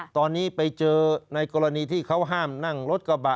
ตอนนี้ไปเจอในกรณีที่เขาห้ามนั่งรถกระบะ